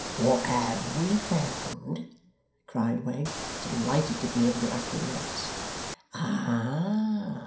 'What HAVE we found?' cried Wegg, delighted to be able to acquiesce. 'Ah!